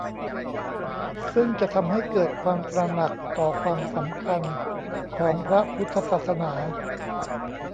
ซึ่งจะทำให้เกิดความตระหนักต่อความสำคัญของพระพุทธศาสนา